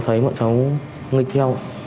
lúc đó mọi cháu nghịch nhau